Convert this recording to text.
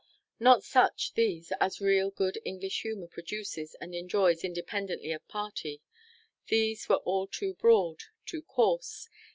Not such, these, as real good English humour produces and enjoys, independently of party these were all too broad, too coarse.